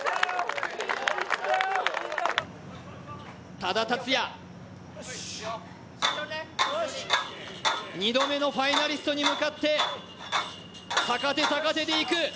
多田竜也、２度目のファイナリストに向かって逆手逆手で行く。